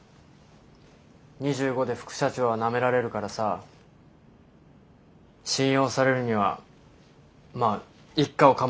２５で副社長はなめられるからさ信用されるにはまあ一家を構えるのが一番だって。